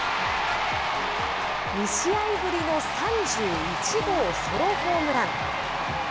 ２試合ぶりの３１号ソロホームラン。